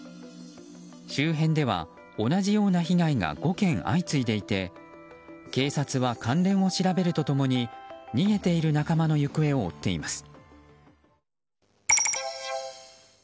周辺では、同じような被害が５件相次いでいて警察は関連を調べると共に逃げている仲間の行方を追っています。